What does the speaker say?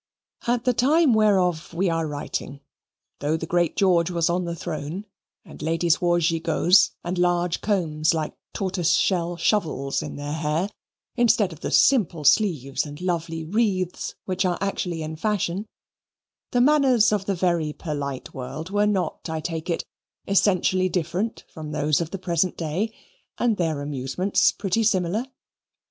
At the time whereof we are writing, though the Great George was on the throne and ladies wore gigots and large combs like tortoise shell shovels in their hair, instead of the simple sleeves and lovely wreaths which are actually in fashion, the manners of the very polite world were not, I take it, essentially different from those of the present day: and their amusements pretty similar.